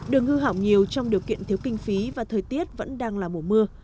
đường hư hỏng nhiều trong điều kiện thiếu kinh phí và thời tiết vẫn đang là mùa mưa